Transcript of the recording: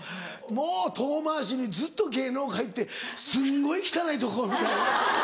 もう遠回しにずっと「芸能界ってすんごい汚いとこ」みたいな。